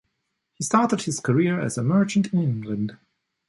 He started his career as a merchant in England.